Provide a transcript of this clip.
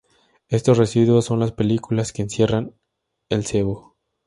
Estos residuos son las películas que encierran el sebo.